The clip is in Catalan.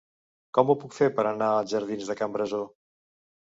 Com ho puc fer per anar als jardins de Can Brasó?